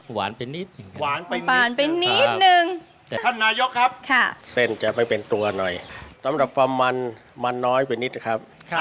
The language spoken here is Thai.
หมายถึงว่าตัวเนื้อใช่มั้ยครับ